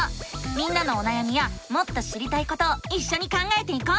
みんなのおなやみやもっと知りたいことをいっしょに考えていこう！